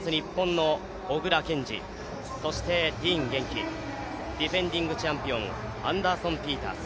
そしてディーン元気、ディフェンディングチャンピオンアンダーソン・ピータース、